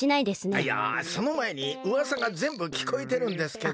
いやそのまえにうわさがぜんぶきこえてるんですけど。